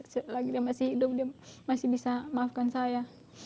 selagi dia masih hidup dia masih bisa maafkan saya